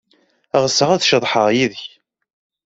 Ɣseɣ ad ceḍḥeɣ yid-k.